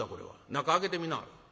「中開けてみなはれ」。